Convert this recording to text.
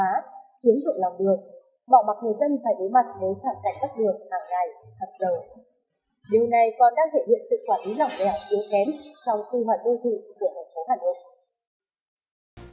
điều này còn đang thể hiện sự quản lý lòng đẻo yếu kém trong khu vực đô thị của thành phố hà nội